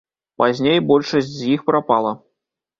Пазней большасць з іх прапала.